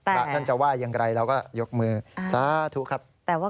พระท่านจะว่าอย่างไรเราก็ยกมือสาธุครับ